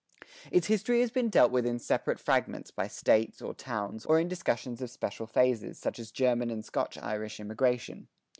Its history has been dealt with in separate fragments, by states, or towns, or in discussions of special phases, such as German and Scotch Irish immigration.